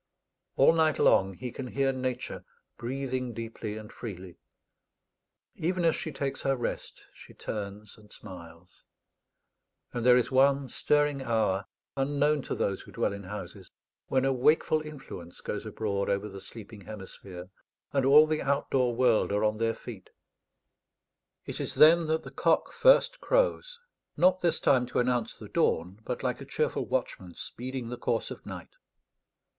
All night long he can hear Nature breathing deeply and freely; even as she takes her rest, she turns and smiles; and there is one stirring hour unknown to those who dwell in houses, when a wakeful influence goes abroad over the sleeping hemisphere, and all the outdoor world are on their feet. It is then that the cock first crows, not this time to announce the dawn, but like a cheerful watchman speeding the course of night.